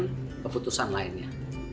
dan keputusan lainnya